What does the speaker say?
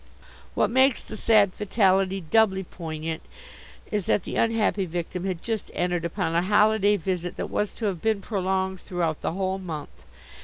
"What makes the sad fatality doubly poignant is that the unhappy victim had just entered upon a holiday visit that was to have been prolonged throughout the whole month.